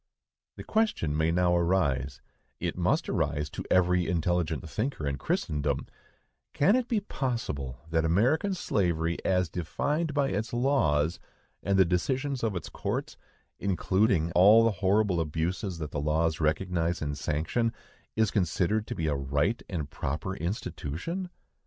The question may now arise,—it must arise to every intelligent thinker in Christendom,—Can it be possible that American slavery, as defined by its laws, and the decisions of its courts, including all the horrible abuses that the laws recognize and sanction, is considered to be a right and proper institution?